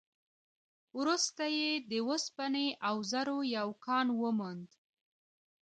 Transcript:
وروسته يې د اوسپنې او زرو يو کان وموند.